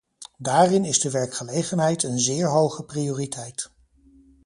Daarin is de werkgelegenheid een zeer hoge prioriteit.